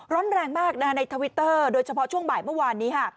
ร้อนแรงมากในทวิตเตอร์โดยเฉพาะช่วงบ่ายเมื่อวานนี้ค่ะ